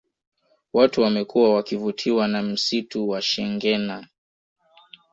Watu wamekuwa wakivutiwa na msitu wa shengena